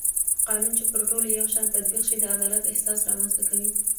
قانون چې پر ټولو یو شان تطبیق شي د عدالت احساس رامنځته کوي